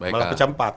malah pecah empat